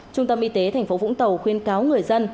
trung tâm y tế thành phố vũng tàu khuyên cáo người dân